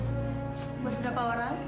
buat berapa orang